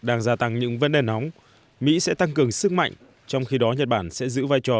vẫn đang nóng mỹ sẽ tăng cường sức mạnh trong khi đó nhật bản sẽ giữ vai trò